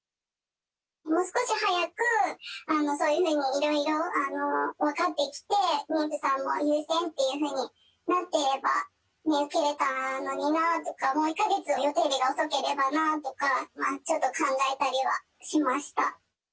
もう少し早くそういうふうにいろいろ分かってきて、妊婦さんも優先っていうふうになってれば受けられたのになとか、もう１か月予定日が遅ければなとか、ちょっと考えたりはしました。